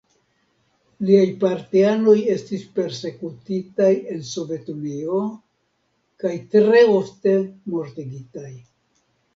Liaj partianoj estis persekutitaj en Sovetunio, kaj tre ofte mortigitaj.